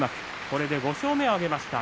これで５勝目を挙げました。